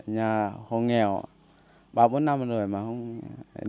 nhà hộ nghèo ba bốn năm rồi mà không phát